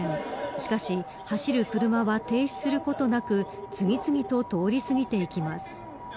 しかし走る車は停止することなく次々と通り過ぎていきます。